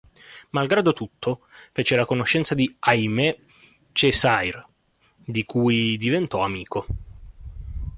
Malgrado tutto fece la conoscenza d'Aimé Césaire di cui diventò amico.